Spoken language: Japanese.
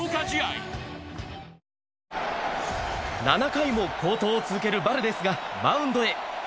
７回も好投を続けるバルデスがマウンドへ。